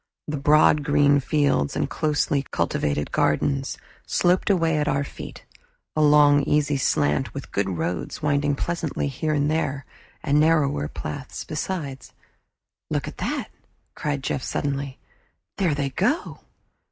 The broad green fields and closely cultivated gardens sloped away at our feet, a long easy slant, with good roads winding pleasantly here and there, and narrower paths besides. "Look at that!" cried Jeff suddenly. "There they go!"